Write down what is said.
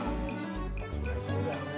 そりゃそうだよね。